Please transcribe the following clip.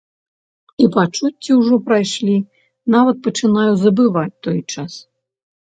І пачуцці ўжо прайшлі, нават пачынаю забываць той час.